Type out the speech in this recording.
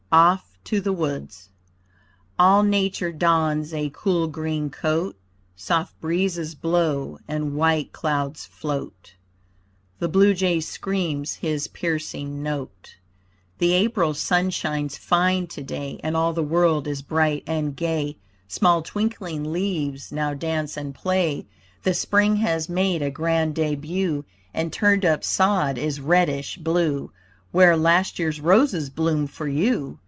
OFF TO THE WOODS All nature dons a cool green coat, Soft breezes blow and white clouds float; The blue jay screams his piercing note. The April sun shines fine today, And all the world is bright and gay. Small twinkling leaves now dance and play! The Spring has made a grand debut; And turned up sod is reddish blue, Where last year's roses bloomed for you.